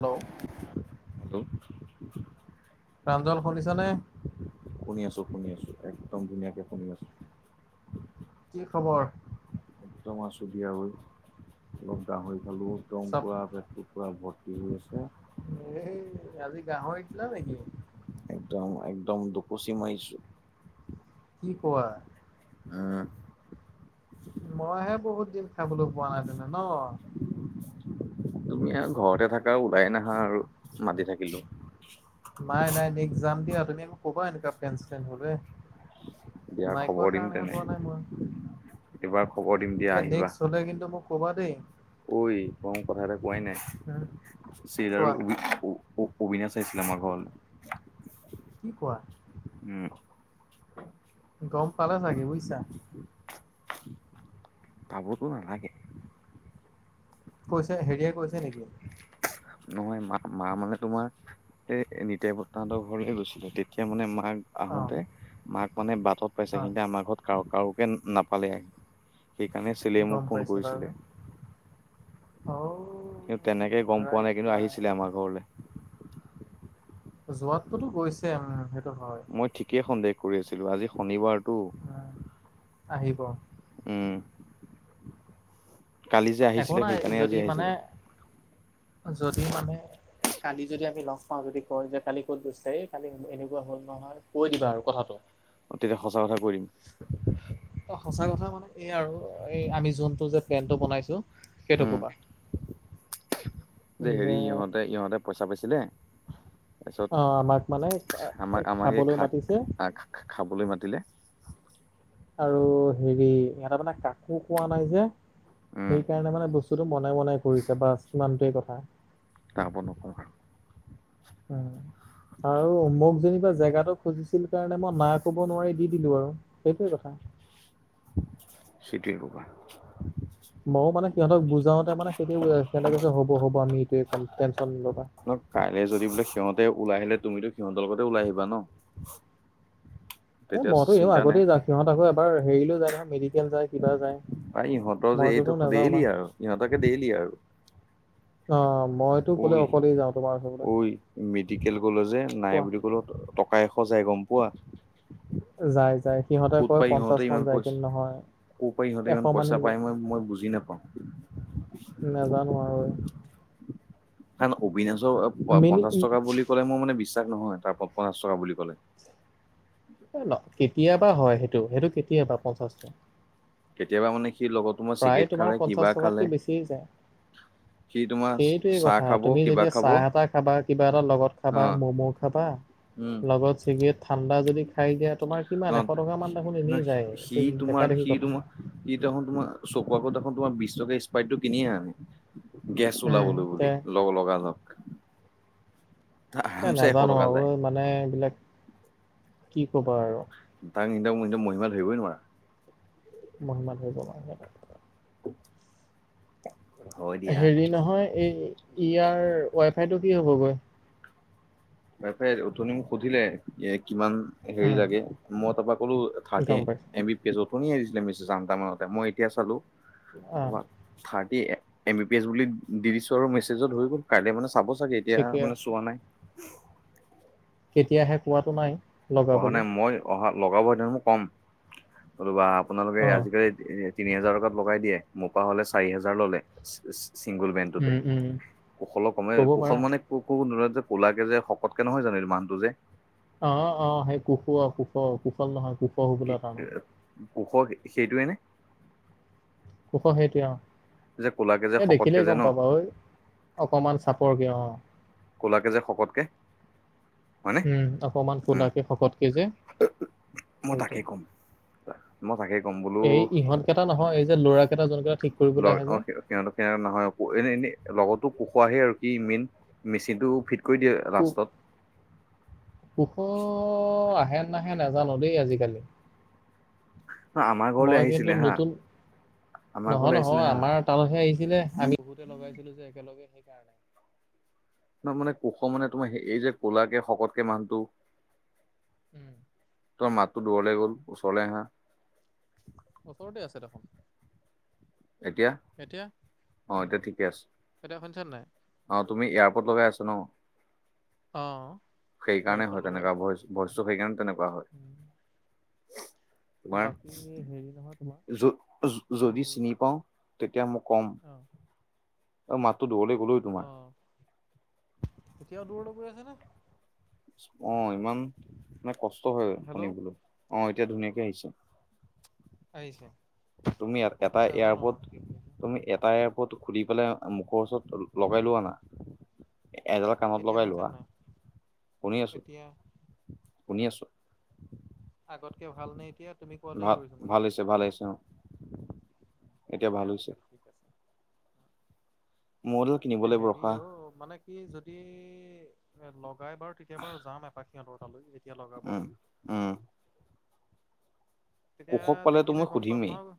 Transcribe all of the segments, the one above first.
Hello. Hello. Pranjal শুনিছা নে? শুনি আছো শুনি আছো একদম ধুনীয়াকে শুনি আছো। কি খবৰ? একদম আছো দিয়া অই অলপ গাহৰি খালোঁ। টং চব কৰা ব্যক্তিৰ পৰা ভৰ্তি হৈ আছে এই আজি গাহৰি দিলা নেকি [unintelligible] একদম - একদম দকচি মাৰিছো। কি কোৱা, উম মইহে বহুত দিন। খাবলৈ পোৱা নাই তেন্তে নহ। তুমি আৰু ঘৰতে থাকা ওলাই নাহা আৰু মাতি থাকিলেও। নাই - নাই নক্ যাম দিয়া তুমি মোক ক'বা এনেকুৱা প্লেন চিলেন হলে। দিয়া নাইকোৱা খবৰ দিম কাৰণেহে তেনে যোৱা নাই মই। এইবাৰ খবৰ দিম দিয়া এ আহিবা নেক্স হলে কিন্তু মোক কবা দেই। ঐ তোম মোক কথা এটা কোৱাই নাই উম, চ কোৱা আৰু। [unintelligible] অবিনাশ আহিছিলে আমাৰ ঘৰলে। কি কোৱা। উম। গম পালে চাগে বুজিছা। পাবতো নালাগে। কৈছে হেৰিয়ে কৈছে নেকি? নহয় মা মা মানে তোমাৰ এই নিতে বৰ্তাহঁতৰ ঘৰলে গৈছিলে। তেতিয়া মানে মাৰ, আহোতে অঁ মাক মানে বাটত পাইছে, অঁ কিন্ত আমাৰ ঘৰত কাৰ কাৰোকে নাপালে আহি। সেইকাৰণে চেলে মোক ফোন কৰিছিলে। অও। কিন্তু তেনেকে গম পোৱা নাই কিন্তু আহিছিলে আমাৰ ঘৰলৈ। যোৱাতটোতো গৈছে উম সেইটো হয়। মই ঠিকেই সন্দেহ কৰি আছিলো আজি শনিবাৰটো। উম, আহিব উম। কালি যে একো আহিছিলে নাই সেইকাৰণে যদি আজি মানে আহিছে। যদি মানে, কালি যদি আমি লগ পাওঁ যদি কয় যে কালি ক'ত গৈছিলা, এই কালি এনেকুৱা হল নহয় কৈ দিবা আৰু কথাটো। তেতিয়া সঁচা কথা কৈ দিম। অ সঁচা কথা মানে এই আৰু এই আমি যোনটো যে প্লেনটো বনাইছো, সেইটো উম কবা। যে হেৰি ইহঁতে ইহঁতে পইচা পাইছিলে, অ আমাক মানে তাৰপিছত, আমাক আমাক এই খাবলৈ খা মাতিছে খা খাবলৈ মাতিলে। আৰু হেৰি ইহঁতে মানে কাকো কোৱা নাই যে, উম সেইকাৰণে মানে বেছি, টো বনাই বনাই ফুৰিছে বাচ সিমানটোৱেই কথা। তাৰ ওপৰত নক‌ওঁ আৰু। উম। আৰু মোক যেনিবা জেগাটো খুজিছিল কাৰণে মই না ক'ব নোৱাৰি দি দিলো আৰু। সেইটোৱ কথা। চিটিৰ কবা। ময়ো মানে সিহঁতক বুজাওঁতে মানে সেইয়ে সিহঁতেক যে হ'ব হ'ব আমি এইটোৱেই কম টেনচন নলবা। ন কাইলে যদি বোলে সিহঁতে ওলাই আহিলে তুমিতো সিহঁতৰ লগতে ওলাই আহিবা ন। এ তেতিয়া মইতো এনেও চিন্তা নাই আগতেই যাওঁ। সিহঁত আকৌ এবাৰ হেৰিলেও যায় নহয় মেডিকেল যায় কিবা যায়। পাই ইহঁতৰ যে মইতোতো এইটো নাযাওঁ না ডেইলি আৰু ইহঁতকে দেইলি আৰু। অ মই অই অই। মেডিকেল কলেজ যে নাই কোৱা। বুলি ক'লো টকা এশ যায় গম পোৱা। যায় যায়। সিহঁতে ক'ত কয় পাই পঞ্চাশ ইহঁতে মান ইমান যায় পইচা কিন্তু নহয়। ক'ৰ পৰা ইহঁতে এশ ইমান মানেই পইচা যায়। পায় মই মই বুজি নাপাওঁ। নাজানো আৰু। কাৰন অবিনাশৰ মিনি পঞ্চাশ উম, টকা বুলি ক'লে মোৰ মানে বিশ্বাস নহয়, তাৰ পঞ্চাশ টকা বুলি ক'লে। ন কেতিয়াবা হয় সেইটো, সেইটো কেতিয়াবা পঞ্চাশটো। কেতিয়াবা মানে সি লগত, তোমাৰ প্ৰায় চিগাৰেট তোমাৰ খালে কিবা পঞ্চাশ খালে। টকাতকে বেছিয়ে যায়। সি তোমাৰ সেইটোৱে চাহ কথা, খাব তুমি কিবা যেতিয়া খাব চাহ এটা খাবা, কিবা এটা লগত অ খাবা, ম'ম' খাবা। উম লগত ছিগেট, ঠাণ্ডা যদি খাই দিয়া তোমাৰ, অ কিমান এশ টকা মান দেখোন এনেই যায়। এইটো দেখা দেখি কথা। ইদেখোন তোমাৰ চকুৰ আগত দেখোন তোমাৰ বিশ টকা স্পাইটতো কিনিয়ে আনে। গেছ উম ওলাবলৈ তে বুলি। লগ লগা লগ। এ আৰামছে এশ নাজানো টকা আৰু যায় মানে এইবিলাক কি কবা আৰু। তাক এনিদম মহিমা ধৰিই নোৱাৰা [unintelligible] মহিমা হৈ গমাৰ [unintelligible] [unintelligible] হয় দিয়া হেৰি নহয় এই ইয়াৰ ৱাই ফাই টো কি হ'ব গৈ বাইফে উথনি মোক সুধিলে এ কিমান হেৰি উম লাগে মই তাপা ক'লো থাৰ্ড এ গম পাইছোঁ এম বি আছো ওথনি আহিছিলে মিছে জানটামানতে মই এতিয়া চালো অ তোমাৰ thirty M B P S বুলি দি দিছো আৰু মেচেজত ধৰিব কাইলে মানে চাব টক এতিয়া ঠিকে মানে আছে চোৱা নাই কেতিয়াহে কোৱাতটো নাই অহা লগাবলৈ নাই মই অহা লগাব দিম মই কম নতুবা আপোনালোকে অ আজিকালি তিনি হেজাৰ টকাত লগাই দিয়ে মোপা হলে চাৰি হেজাৰ ললে চিংগুল বেণ্ডটোতে উম উম কুশলক কমে ক'ব কুশল পাৰা মানে কো কো যে কোলাকে যে শকতকে নহয় জানো এই মানুহটো যে অ অ সেই কুশ কুশ কুশল নহয় কুশল কি কোশ সেইটোৱে নে কুশ সেইটোৱেই অ যে ক'লাকে যে এ শকতকে দেখিলেই যে ন গম পাবা ঐ অকমান চাপৰকে অ কলাকে যে শকতকে হয়নে উম অকমান উম কোলাকে শকতকে যে মই সেইটোৱে তাকেই ক'ম মই তাকে কম বোলো এই ইহঁতকেইটা নহয় এই যে ল'ৰা কেইটা যোনকেইটা ঠিক কৰিবলৈ আহে যে সিহঁতকে আৰু নহয় এ এনে লগৰটো কোশ আহে আৰু সি মেইন মেচিন টো ফিট কৈ দিয়ে লাষ্টত কোশ আহে নাহে নাজানো দেই আজিকালি ন আমাৰ ঘৰলৈ মই কিন্তু আহিছিলে হা নতুন আমাৰ নহয় ঘৰলৈ আহিছিলে নহয় হা আমাৰ তাপা হে আহিছিলে আমি বহুতে লগাইছিলো যে একেলগে সেইকাৰণে মানে কোশ মানে তোমাৰ এই যে ক'লা কে শকতকে মানুহটো উম',। ত মাতটো দূৰলে গ'ল ওচৰলে আহা। ওচৰতে আছে দেখোন। এতিয়া এতিয়া অঁ' এতিয়া ঠিকে আছে। এতিয়া শুনিছা নাই? অ' তুমি এয়াৰপৰ্ট লগাই আছা ন'? অ', সেইকাৰণে এয়াৰপৰ্ট হয় লগাই তেনেকুৱাই আছো। ভইচটো সেইকাৰণে তেনেকুৱা হয়। উম, বাকী হেৰি নহয় তোমাৰ তোমাৰ য এই যদি চিনি পাওঁ তেতিয়া মই কম। অ', অ' মাতটো দূৰলে গ'ল অই তোমাৰ। এতিয়াওঁ দূৰলে গৈ আছে নে'। অ' ইমান মানে কষ্ট হয় হেল্ল' শুনিবলৈ অ এতিয়া ধুনীয়াকে আহিছে। আহিছে। তুমি এটা নাজানো আৰু এয়াৰপৰ্ট কি হৈছে। তুমি এটা এয়াৰপৰ্ট খুলি পেলাই মুখৰ ওচৰত লগাই লোৱা না। এডাল কামত এতিয়া লগাই শুনিছা লোৱা নাই? শুনি আছো এতিয়া শুনি আছো। আগতকে ভালনে এতিয়া? তুমি কোৱাটোৱে ভাল কৰিছো মই ভাল হৈছে ভাল আহিছে অ'। এতিয়া ভাল দিয়া হৈছে তেতিয়াহ'লে ঠিক আছে। মূল এ হেৰি অ' মানে কি যদি এ লগাই বাৰু তেতিয়া বাৰু যাম এপক। সিহঁতৰ তালৈ যেতিয়া লগাব। উম উম। তেতিয়া কুশক পালেতো দেখিলে মই গম পাম সুধিমেই নহয়।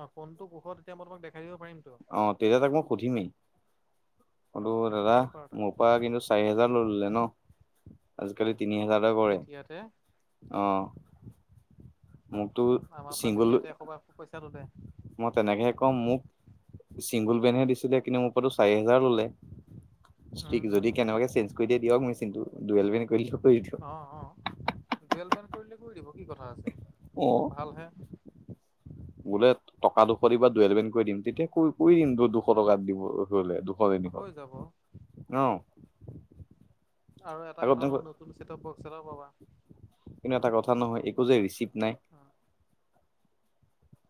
অহ, কোনটো কোষত তেতিয়া মই তোমাক দেখাই দিব পাৰিমতো। অহ, তেতিয়া তাক মই সুধিমেই। ন ক'লো তেতিয়া দাদা সুধি চাব পাৰা তাক মোৰ পৰা কিন্তু চাৰি হোজাৰ উম ললে ন' আজিকালি তিনি হোজাৰ সাধাৰণতে কৰে তেতিয়াতে অহ। মোকতো আমাৰ পৰা চিংগুল তেতিয়াতে এশবিৰ পইচাটো দে। মই তেনেকেহে কওঁ, মোক চিংগুল বেনহে দিছিলে কিন্তু মোক মোৰ পৰাটো চাৰি হোজাৰ ল'লে, উম যদি উম কেনেকুৱে চেঞ্জ কৰি দিয়ে দিয়ক মেচিনটো। দোএল বিন কৰিল ক অহ', অহ'। এল বেন কৰিলে কৰি দিব কি কথা আছে। অহ। ভালহে। বোলে টকা দুশ দিবা দুএল বেন কৰি দিম, তেতিয়া কৰি দিম দুশ অ টকাত দিব, হ'লে দুশ তিনিশ অহ। হৈ যাব আৰু এটা কথা হ'ল নতুন চেট্ৰব বস্ক' এটা পাবা। কিন্তু এটা কথা নহয়, একো যে ৰিচিভ নাই।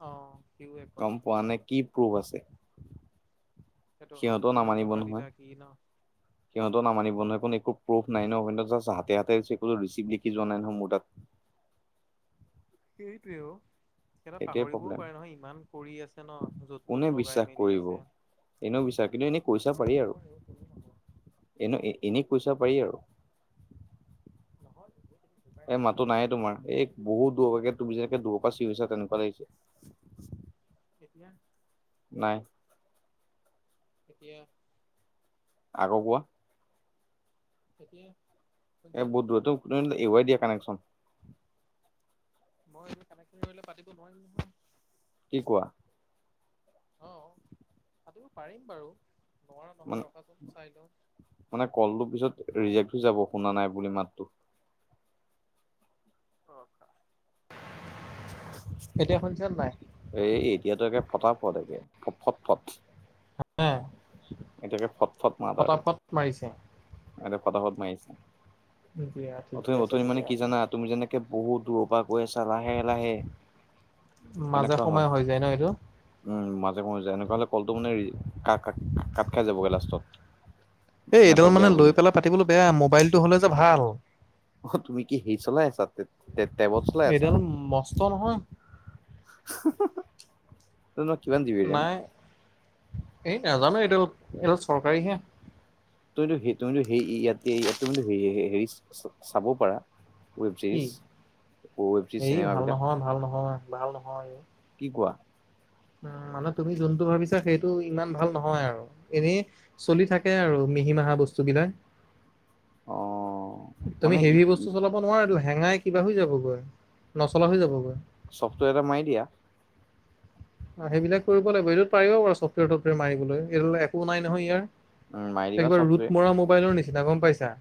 অহ। গম পোৱানে, কি প্ৰুফ আছে। সেইটো হয়, সিহঁতেও কিমান টকা দিলা কি ন'। সিহঁত নামানিব নহয় একো প্ৰুফ নাই ন' জাষ্ট হাতে-হাতে দিছে‌ কোনো ৰিচিভ লিখি যোৱা নহয় মোৰ তাত। সেইটোৱেও। সিহঁতে সেইটোৱে পাহৰিবও প্ৰব্লেম পাৰে নহয়, ইমান কৰি আছে ন' য'ত কোনে ত'ত লগাই বিশ্বাস মেলি কৰিব আছে। এনেও বিচাৰ কিন্তু এনেই কৈছা নকৰে পাৰি আৰু। নকৰে অ কোনো নকৰে এনে-এনেই কৈ চাব পাৰি আৰু। নহয়। তুমি জোকাই এ' চাব মাতো পাৰা নায়ে তোমাৰ, এই কিজানি যদি বহু দি দিয়ে দুৰপাকে তুমি যেনেকা দুৰৰপা চিয়ৰিছা তেনেকা [unintelligible] এতিয়া নাই। এতিয়া? আকৌ কোৱা। এতিয়া? এ শুনিছা নে বহুত নাই দূৰতো তুমি এ আই দিয়ে কানেকশ্যন। মই এনেকে কানেকশ্যন কৰিলে পাতিব নোৱাৰিম নহয়। কি কোৱা। অহ, তাতেও পাৰিম বাৰু। নোৱাৰা নহয় মানে, ৰখাচোন চাই লওঁ মানে কলটো পিছত ৰিছেট হৈ যাব, শুনা নাই বুলি মাতটো। [unintelligible] এতিয়া শুনিছেনে নাই? এই এতিয়াতো একে ফটা-ফট একে ফ-ফট-ফট। [unintelligible] এতিয়া একে ফট-ফট মাত আৰু ফটাফট মাৰিছে এতিয়া ফটা-ফট মাৰিছে। দিয়া অথনি ঠিকে আছে অথনি মানে তেতিয়া। কি জানা তুমি যেনেকে বহুত দূৰৰ পৰা কৈ আছা লাহে-লাহে। মাজে সময়ে হৈ যায় ন এইটো উম মাজে মে এনেকুৱা হলে কলটো মানে কা কাট খাই যাবগে লাষ্টত এই এইডাল নেটৱৰ্ক মানে বেয়া লৈ বুলি পেলাই পাতিবলে বেয়া মোবাইলটো হ'লে যে ভাল অ তুমি কি সেই চলাই আছা তে তে তেবত চলাই আছা এইডাল মস্ত নহয় [unintelligible] নই নই কিমান দি নাই এই নাজানো এইডাল এইডাল চৰকাৰীহে তুমিটো সেই তুমিটো সেই ইয়াতে ইয়াত তুমিটো হেইত চা চাব পাৰা ৱেব কি জেইছ ৱেব জি এই ভাল চিনেমাবিলাক নহয় ভাল নহয় ভাল নহয় কি কোৱা উম মানে তুমি যোনটো ভাবিছা সেইটো ইমান ভাল নহয় আৰু এনে চলি থাকে আৰু মিহি মাহা বস্তু বিলাক অ মানে তুমি ই- হেৰি বস্তু ই- চলাব নোৱাৰা এইটো হেঙাই কিবা হৈ যাবগৈ নচলা হৈ যাবগৈ চফটোৱেৰ এটা মাৰি দিয়া সেইবিলাক কৰিব লাগিব এইটোত পাৰিব চফটোৱেৰ টবটোৱেৰ মাৰিবলৈ এই একো নাই নহয় উম, মাৰি ইয়াৰ দিবা একেবাৰে চফ্টৱেৰ ৰুট মৰা মোবাইলৰ নিচিনা গম পাইছা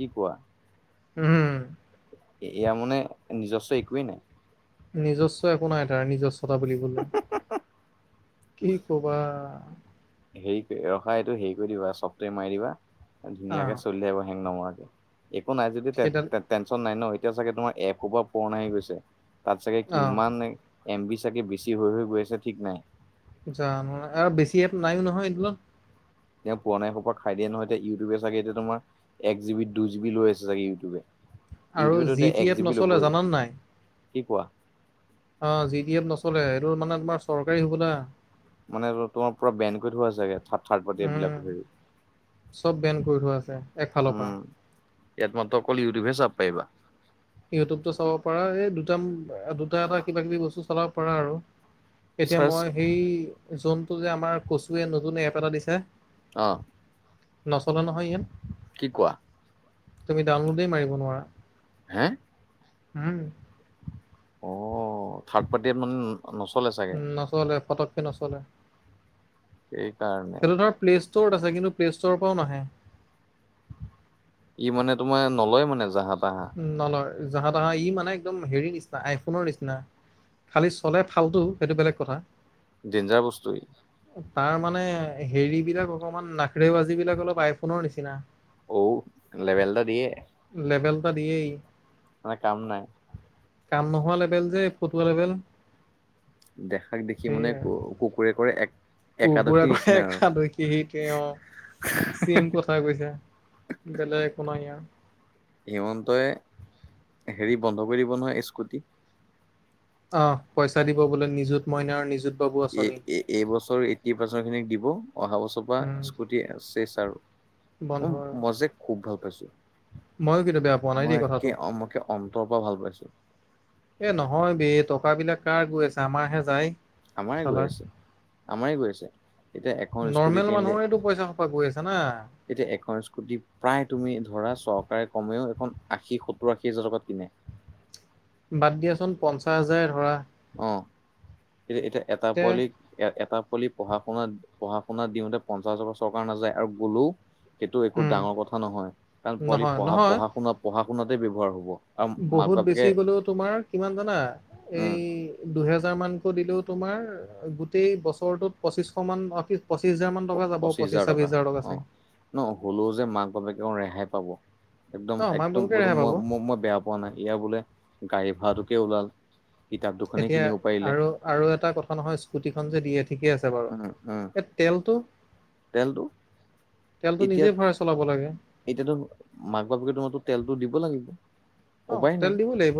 কি কোৱা উম হুম এয়া মানে নিজস্ব একোৱেই নাই নিজস্ব একো নাই তাৰ নিজস্বতা বুলিবলে কি কবা হেৰি কৰি ৰখা এইটো হেৰি কৰি দিবা চফটোৱেৰ মাৰি দিবা আহ ধুনীয়াকে চলি থাকিব হেং নমৰাকে একো নাই যদি সেইডাল টেন টেনচন নাই ন এতিয়া চাগে তোমাৰ এসোপা ফন আহি গৈছে তাত চাগে আহ কিমান এম বি চাগে বেছি হৈ হৈ গৈ আছে ঠিক নাই জানো আৰু বেছি এপ নাইও নহয় এইডালত তেওঁ পুৰণা সোপাই খাই দিয়ে নহয় এতিয়া ইউটোবে চাগে এতিয়া তোমাৰ এক জি বিত দুই জি বি লৈ আছে চাগে ইউটোবে আৰু ইউটোবেটো জি এতিয়া টি এক এপ জিবি নচলে ল'বই জানানে নাই কি কোৱা অ জি টি এপ নচলে এইটো মানে তোমাৰ চৰকাৰী হবলা মানে তোমাৰ পুৰা বেন কৰি থোৱা চাগে থাত থাৰ্ড পাৰ্টি উম এইবিলাক হেৰি চব বেন কৰি থোৱা আছে একফালৰ পৰা উম ইয়াত মাত্ৰ অকল ইউটোব হে চাব পাৰিবা ইউটিউবতো চাব পাৰা এই দুট দুটা এটা কিবা কিবি বস্তু চলাব পাৰা আৰু এতিয়া চাৰ্চ মই সেই যোনটো যে আমাৰ কচুৱে নতুন এপ এটা দিছে অ নচলে নহয় ইয়াত কি কোৱা তুমি ডাউনলোডেই মাৰিব নোৱাৰা হেএ উম অ থাৰ্ড পাৰ্টিয়ে মান নচলে চ উম নচলে পটককে নচলে সেই কাৰনে সেইটো ধৰ প্লে ষ্ট'ৰত আছে কিন্তু প্লে ষ্ট'ৰ পৰাও নাহে ই মানে তোমাৰ নলয় মানে জাহা তাহা উম নলয় জাহা তাহা ই মানে একদম হেৰি নিচিনা আইফোনৰ নিচিনা। খালি চলে ফালটো সেইটো বেলেগ কথা। ডেঞ্জাৰ বস্তু ই। তাৰ মানে হেৰি বিলাক অকমান নাখৰে বাজি বিলাক অলপ আইফোনৰ নিচিনা। অউ লেবেল এটা দিয়ে। লেবেল এটা দিয়েই ই। আমাৰ কাম নাই। কাম নোহোৱা লেবেল যে ফটোৱা লেবেল। দেখাক দেখি মানে কুকুৰে কৰে এক কুকুৰে একাদশী নিচিনা আৰু পৰালখীহি তেওঁ চিম কঠ। হৈ বুজিছা বেলেগ একো নাই ইয়াৰ। হিমন্তই হেৰি বন্ধ কৰি দিব নহয় স্কুটি। অঁ, পইচা দিব বোলে নিজুত মইনাৰ নিজুত বাবু আঁচনি এই বছৰ এইট্টি পাৰ্চেণ্ট খিনিক দিব অহা বছৰ বা উম স্কুটিছেচ আৰু বন্ধ আৰু ম মজে খুব ভাল পাইছো। ময়ো কিন্তু বেয়া পোৱা নাই দেই মই কথাটো একে মকে অন্তৰৰ পৰা ভাল পাইছো। এ নহয় বে টকা বিলাক কাৰ গৈ আছে আমাৰহে যায়। আমাৰে গৈ চালাৰ আছে। আমাৰে গৈ আছে এতিয়া এখন স্কুটি নৰ্মেল কিনিলে মানুহৰেতো পইচা সোপা গৈ আছে না এতিয়া এখন স্কুটি প্ৰায় তুমি ধৰা চৰকাৰে কমেও এখন আশী সত্তৰ আশী হাজাৰ টকাত কিনে। বাদ দিয়াচোন পঞ্চাছ হাজাৰে ধৰা। অঁ, এ এতিয়া এটা তে পোৱালিক। এ এটা পোৱালিক পঢ়া শুনা পঢ়া শুনা দিওঁতে পঞ্চাচ হাজাৰ টকা চৰকাৰ নাযায় আৰু গলোও। সেইটো একো উম ডাঙৰ কথা নহয় কাৰণ পোৱালি নহয় পঢা নহয় পঢ়া শুনাত পঢ়া শুনাতে ব্যয়ৱহাৰ হব। আৰু মাক বহুত বাপেকে বেছি গলেও তোমাৰ কিমান জানা? উম এই, দুহেজাৰ মানকৈ দিলেও তোমাৰ গোটেই বছৰটোত পঁচিচশ মান অকি পঁচিছ হাজাৰ মান টকা পঁচিশ পঁচিছ ছাবিছ টকা হাজাৰ অ টকাছে। ন হলেও যে মাক বাপেকে ৰেহাই পাব একদম অ মাক একদম বাপেকে ৰেহাই পাব মই ম মই বেয়া পোৱা নাই ইয়াৰ বোলে গাড়ী ভাড়াটোকে ওলাল। কিতাপ দুখনে এতিয়া কিনিব পাৰিলে আৰু আৰু এটা কথা নহয় স্কুটি খন যে দিয়ে ঠিকে আছে। বাৰু উম উম এ টেল টো? তেলটো তেলটো এতিয়া নিজে ভৰাই চলাব লাগে। এতিয়াতো মাক বাপেকে তোমাটো তেলতো দিব লাগিব। অঁ, উপায় তেল নাই দিব লাগিব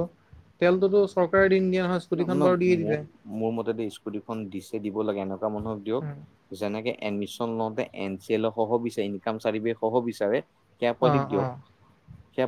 তেলটো চৰকাৰে দিম দিয়া হজ। ন মোৰ মোৰ মতে দেই স্কুটিখন দিছে দিব লাগে এনেকুৱা মানুহক দিয়ক। উম, যেনেকে এডমিশন লওঁতে এন চি এল সহ বিচাৰে ইনকাম চাৰ্টিফিকেট সহব বিচাৰে। হিয়া অ পোৱালিক অ দিয়ক। সেয়া